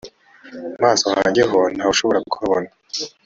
maso hanjye ho nta wushobora kuhabona